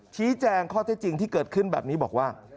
ชี้แจงข้อเท็จจริงที่เกิดขึ้นแบบนี้บอกว่า